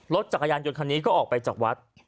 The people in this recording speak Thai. รถจักรยานยนต์คันนี้ก็ออกไปจากวัด